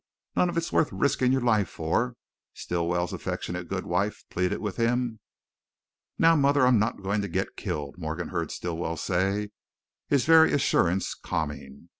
none of it's worth riskin' your life for!" Stilwell's affectionate good wife pleaded with him. "Now, Mother, I'm not goin' to git killed," Morgan heard Stilwell say, his very assurance calming.